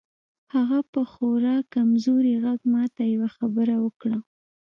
هغه په خورا کمزوري غږ ماته یوه خبره وکړه